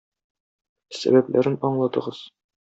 Сәбәпләрен аңлатыгыз.